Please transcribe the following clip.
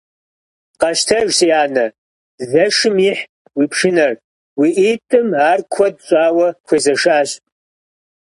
Къэщтэж, си анэ, зэшым ихь уи пшынэр, уи ӀитӀым ар куэд щӀауэ хуезэшащ.